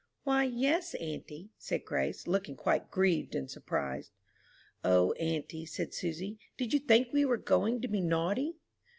"Why, yes, auntie," said Grace, looking quite grieved and surprised. "O, auntie," said Susy, "did you think we were going to be naughty?"